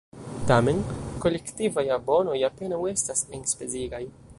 Tamen, kolektivaj abonoj apenaŭ estas enspezigaj.